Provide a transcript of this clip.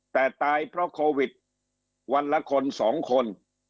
แต่ตายเพราะโควิดวันละคน๒คน